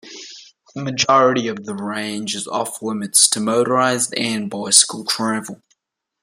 The majority of the range is off-limits to motorized and bicycle travel.